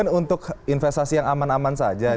bukan untuk investasi yang aman aman saja